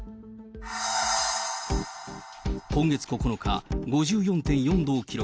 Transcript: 今月９日、５４．４度を記録。